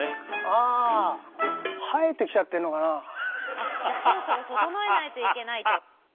あじゃあそろそろ整えないといけないと。